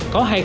có hay không